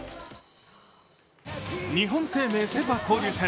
日本生命セ・パ交流戦。